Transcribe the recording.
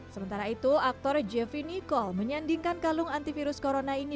sementara itu aktor jeffrey nicole menyandingkan kalung antivirus corona ini